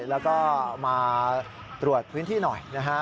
แล้วก็มาตรวจพื้นที่หน่อยนะฮะ